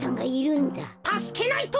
たすけないと！